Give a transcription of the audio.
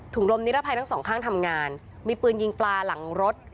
ลมนิรภัยทั้งสองข้างทำงานมีปืนยิงปลาหลังรถ